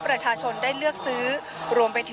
พาคุณผู้ชมไปติดตามบรรยากาศกันที่วัดอรุณราชวรรมหาวิหารค่ะ